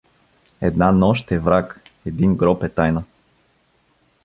Една нощ е враг, един гроб е тайна.